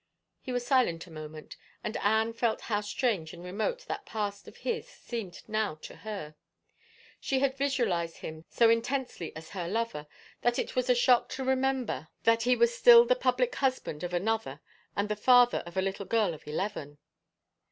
He was silent a moment, and Anne felt how strange and remote that past of his seemed now to her. She had visualized him so intensely as her lover that it was a shock to remember 123 THE FAVOR OF KINGS that h^ was still the public husband of another and the father of a little girl of eleven.